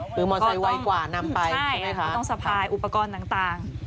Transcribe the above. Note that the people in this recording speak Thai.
คือมอเซไวกว่านำไปใช่ไหมคะต้องสะพายอุปกรณ์ต่าง